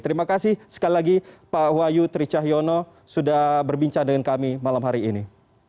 terima kasih sekali lagi pak wahyu tricahyono sudah berbincang dengan kami malam hari ini